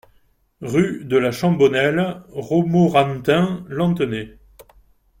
Rue de la Chambonnelle, Romorantin-Lanthenay